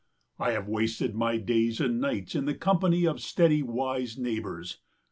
I have wasted my days and nights in the company of steady wise neighbours.